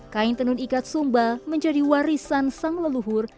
kain tenun ikat sumba menjadi warisan sang leluhur